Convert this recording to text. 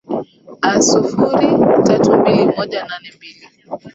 a sifuri tatu mbili moja nane mbili